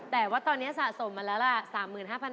แต่ว่าตอนนี้สะสมมาแล้วล่ะ